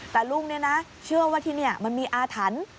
แต่ลุงเนี่ยนะเชื่อว่าที่นี่มันมีอาถรรพ์